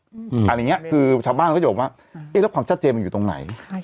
อืมอันนี้คือชาวบ้านก็บอกว่าเอ๊ะแล้วความชัดเจมย์มันอยู่ตรงไหน